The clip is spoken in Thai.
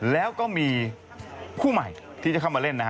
แล้วก็มีคู่ใหม่ที่จะเข้ามาเล่นนะฮะ